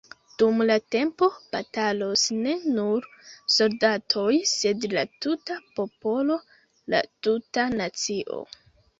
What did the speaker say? Dum la tempo batalos ne nur soldatoj, sed la tuta popolo, la tuta nacio.